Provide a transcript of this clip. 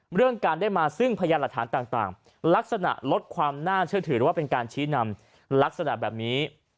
เรื่องการได้มาซึ่งพยานหลักฐานต่างลักษณะลดความน่าเชื่อถือหรือว่าเป็นการชี้นำลักษณะแบบนี้